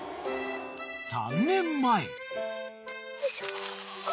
［３年前］